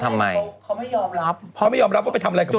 เขาไม่ยอมรับเขาไม่ยอมรับว่าไปทำอะไรกับลูก